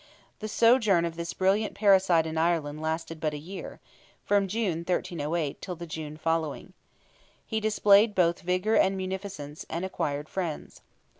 The sojourn of this brilliant parasite in Ireland lasted but a year—from June, 1308, till the June following. He displayed both vigour and munificence, and acquired friends.